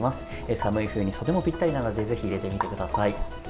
寒い冬に、とてもぴったりなのでぜひ入れてみてください。